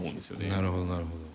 なるほどなるほど。